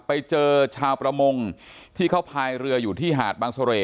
ไปเจอชาวประมงที่เขาพายเรืออยู่ที่หาดบางเสร่